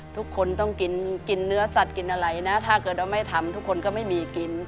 ทุกคนต้องกินกินเนื้อสัตว์กินอะไรนะถ้าเกิดว่าไม่ทำทุกคนก็ไม่มีกิน